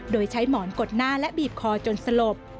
โดยใช้หมอนกดหน้าและบีบคอจนสลบ